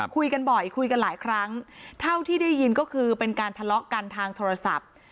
คุยกันบ่อยคุยกันหลายครั้งเท่าที่ได้ยินก็คือเป็นการทะเลาะกันทางโทรศัพท์